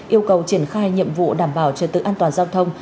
yêu cầu triển khai nhiệm vụ đảm bảo trật tự an toàn giao thông